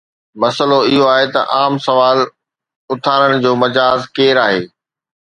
مسئلو اهو آهي ته عام سوال اٿارڻ جو مجاز ڪير آهي؟